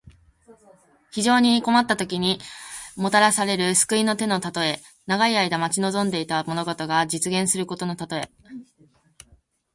非常に困ったときに、もたらされる救いの手のたとえ。長い間待ち望んでいた物事が実現することのたとえ。